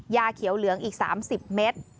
ยาเขียวเหลืองอีก๓๐เมตร